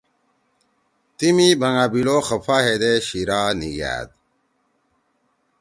تی می بھنگا بلو خفا ہیدے شیرا نیگھأدا۔